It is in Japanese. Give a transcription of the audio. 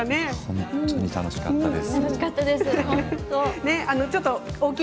本当に楽しかったです。